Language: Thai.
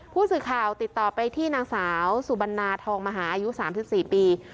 ผู้สื่อข่าวติดต่อไปที่นางสาวสุบันนาทองมหาอายุ๓๔ปี